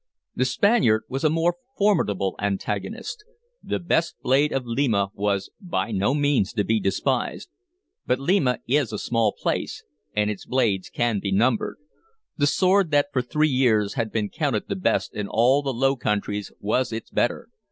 The Spaniard was a more formidable antagonist. The best blade of Lima was by no means to be despised; but Lima is a small place, and its blades can be numbered. The sword that for three years had been counted the best in all the Low Countries was its better.